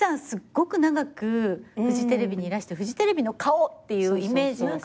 すっごく長くフジテレビにいらしてフジテレビの顔っていうイメージ。